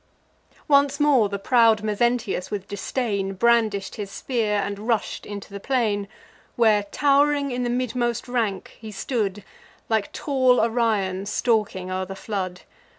Once more the proud Mezentius, with disdain, Brandish'd his spear, and rush'd into the plain, Where tow'ring in the midmost rank he stood, Like tall Orion stalking o'er the flood.